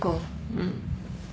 うん。